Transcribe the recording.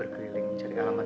kayak macam gitu peyin